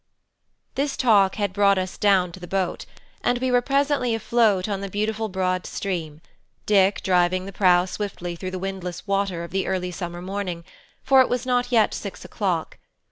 This talk had brought us down to the boat, and we were presently afloat on the beautiful broad stream, Dick driving the prow swiftly through the windless water of the early summer morning, for it was not yet six o'clock.